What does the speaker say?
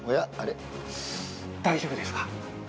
大丈夫ですか？